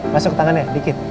masuk tangannya dikit